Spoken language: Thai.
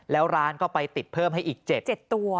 แล้วร้านก็ไปติดเพิ่มให้อีก๗๗ตัว